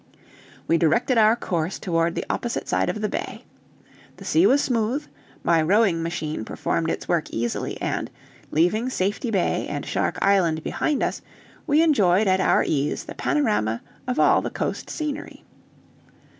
We directed our course toward the opposite side of the bay. The sea was smooth, my rowing machine performed its work easily, and, leaving Safety Bay and Shark Island behind us, we enjoyed at our ease the panorama of all the coast scenery.